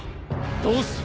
どうする！